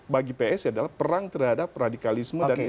bagi ps adalah perang terhadap radikalisme